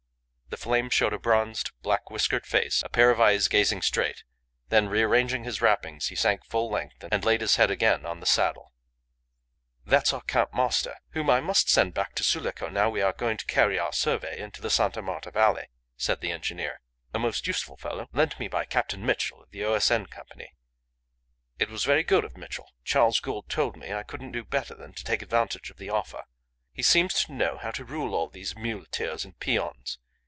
The flame showed a bronzed, black whiskered face, a pair of eyes gazing straight; then, rearranging his wrappings, he sank full length and laid his head again on the saddle. "That's our camp master, whom I must send back to Sulaco now we are going to carry our survey into the Sta. Marta Valley," said the engineer. "A most useful fellow, lent me by Captain Mitchell of the O.S.N. Company. It was very good of Mitchell. Charles Gould told me I couldn't do better than take advantage of the offer. He seems to know how to rule all these muleteers and peons.